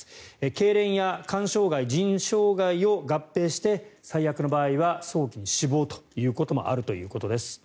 けいれんや肝障害、腎障害を合併して最悪の場合は早期に死亡ということもあるということです。